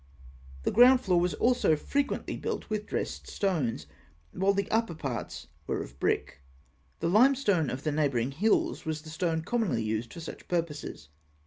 The ground floor was also frequently built with dressed stones, while the upper parts were of brick. The limestone of the neighbouring hills was the stone commonly used for such purposes.